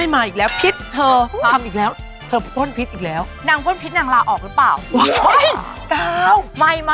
โอ๊ยตายแล้วว่ะว่ะเป็นยากอ่ะผิดไม่มาอีกแล้วผิด